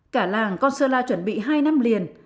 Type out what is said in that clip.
cả làng con sơn la chuẩn bị hai năm liền